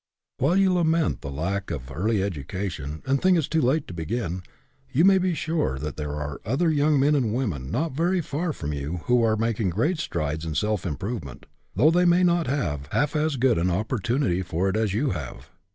While you lament the lack of an early edu cation and think it too late to begin, you may be sure that there are other young men and young women not very far from you who are EDUCATION BY ABSORPTION 31 making great strides in self improvement, though they may not have half as good an opportunity for it as you have.